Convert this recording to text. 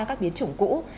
các biến chủng cũ